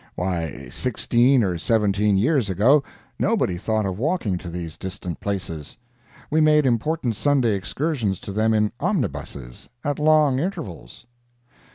Why, sixteen or seventeen years ago, nobody thought of walking to these distant places; we made important Sunday excursions to them in omnibuses, at long intervals.